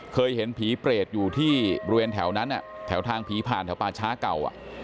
เคยเห็นผีเปรตอยู่ที่บริเวณแถวนั้นแถวทางผีผ่านแถวป่าช้าเก่า